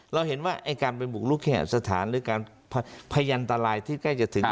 เราเห็นว่าไอ้การไปบุกลุกแห่สถานหรือการพยันตรายที่ใกล้จะถึง